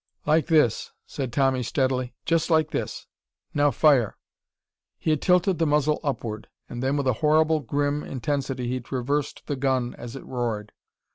"Like this," said Tommy steadily. "Just like this.... Now fire!" He had tilted the muzzle upward. And then with a horrible grim intensity he traversed the gun as it roared.